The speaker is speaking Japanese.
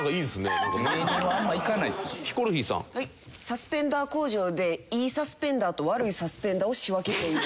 サスペンダー工場でいいサスペンダーと悪いサスペンダーを仕分けている。